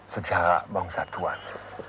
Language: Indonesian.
sejarah bangsa tuhan